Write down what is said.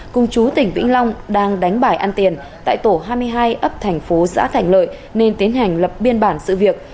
cùng chú tỉnh vĩnh long đang đánh bài ăn tiền tại tổ hai mươi hai ấp thành phố xã thành lợi nên tiến hành lập biên bản sự việc